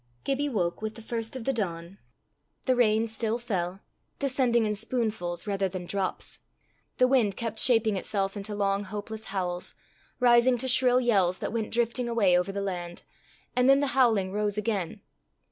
Gibbie woke with the first of the dawn. The rain still fell descending in spoonfuls rather than drops; the wind kept shaping itself into long hopeless howls, rising to shrill yells that went drifting away over the land; and then the howling rose again.